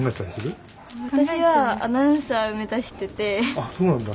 あっそうなんだ。